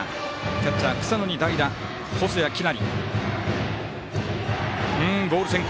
キャッチャー草野に代打細谷季登。